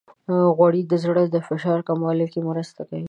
غوړې د زړه د فشار کمولو کې مرسته کوي.